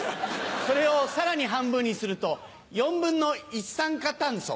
それをさらに半分にすると４分の一酸化炭素。